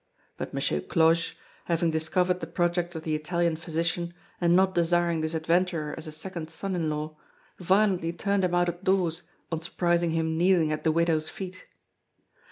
But M. Cloche, having discovered the projects of the Italian physician, and not desiring this adventurer as a second son in law, violently turned him out of doors on surprising him kneeling at the widow's feet.